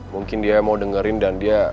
mungkin dia mau dengerin dan dia